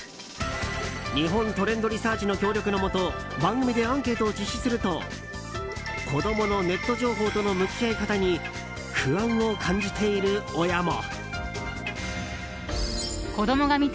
日本トレンドリサーチの協力のもと番組でアンケートを実施すると子供のネット情報との向き合い方に不安を感じている親も。